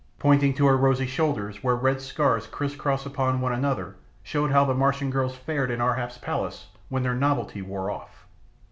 pointing to her rosy shoulders where red scars crisscross upon one another showed how the Martian girls fared in Ar hap's palace when their novelty wore off.